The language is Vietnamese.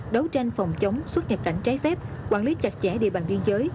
đấu tranh phòng chống xuất nhập cảnh trái phép quản lý chặt chẽ địa bàn biên giới